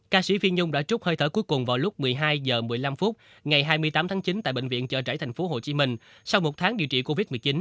ca sĩ phi nhung đã trút hơi thở cuối cùng vào lúc một mươi hai h một mươi năm ngày hai mươi tám tháng chín tại bệnh viện chợ rẫy tp hcm sau một tháng điều trị covid một mươi chín